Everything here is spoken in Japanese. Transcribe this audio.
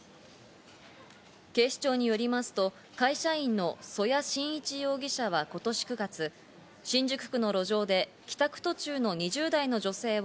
警視庁によりますと会社員の征矢慎一容疑者は今年９月、新宿区の路上で帰宅途中の２０代の女性を